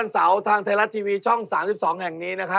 แล้วเราก็ยืนอยู่ที่หน้าโรงอิมเนเซียมจังหวัดราชบุรีค่ะ